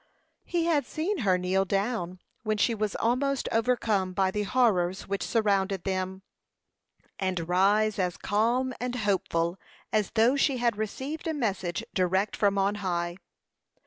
He had seen her kneel down when she was almost overcome by the horrors which surrounded them, and rise as calm and hopeful as though she had received a message direct from on high.